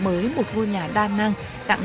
mới một ngôi nhà đa năng tặng